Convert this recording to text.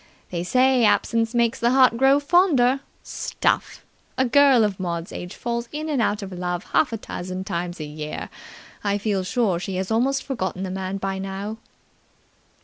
They say absence makes the heart grow fonder. Stuff! A girl of Maud's age falls in and out of love half a dozen times a year. I feel sure she has almost forgotten the man by now."